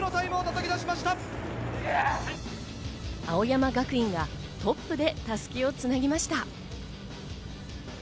青山学院はトップで襷をつなぎました。